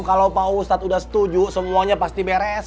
kalau pak ustadz sudah setuju semuanya pasti beres